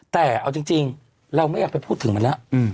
แต่เอาจริงเราไม่อยากไปพูดถึงมันแล้ว